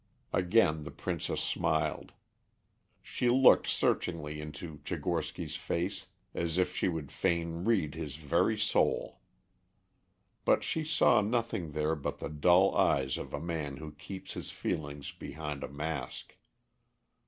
Again the Princess smiled. She looked searchingly into Tchigorsky's face, as if she would fain read his very soul. But she saw nothing there but the dull eyes of a man who keeps his feelings behind a mask.